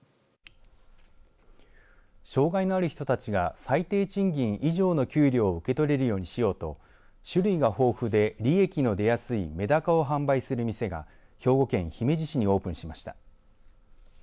障害のある人たちが最低賃金以上の給料を受け取れるようにしようと種類が豊富で利益の出やすいめだかを販売する店が兵庫県姫路市にオープンしました。